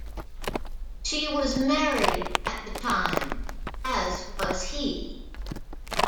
She was married at the time as was he.